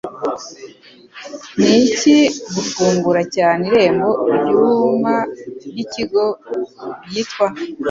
Niki Gufungura Cyane Irembo Ryuma Byikigo Byitwa